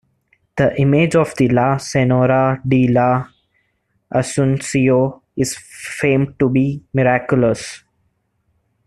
The image of the "La Señora de la Asuncio" is famed to be miraculous.